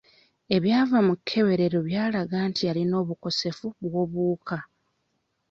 Ebyava mu kkeberero byalaga nti yalina obukosefu bw'obuwuka.